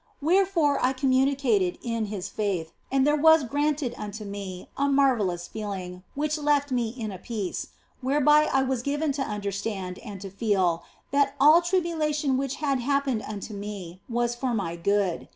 Where fore I communicated in His faith, and there was granted unto me a marvellous feeling which left in me a peace whereby I was given to understand and to feel that all tribulation which had happened unto me was for my good.